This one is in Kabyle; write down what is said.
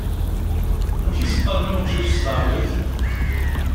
Amek i s-qqaṛen i umcic s tɛebrit?